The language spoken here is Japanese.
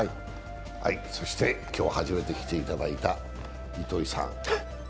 そして今日、初めて来ていただいた糸井さん。